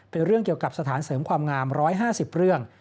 เป็นเรื่องเกี่ยวกับสถานเสริมความงาม๑๕๐เรื่อง